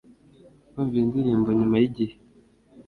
Kumva iyi ndirimbo nyuma yigihe